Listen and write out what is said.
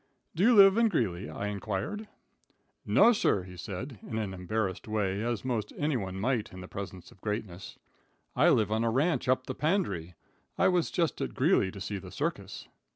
"Do you live at Greeley?" I inquired. "No, sir," he said, in an embarrassed way, as most anyone might in the presence of greatness. "I live on a ranch up the Pandre. I was just at Greeley to see the circus."